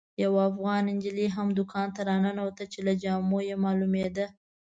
یوه افغانه نجلۍ هم دوکان ته راننوته چې له جامو یې معلومېده.